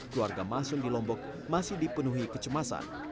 keluarga masun di lombok masih dipenuhi kecemasan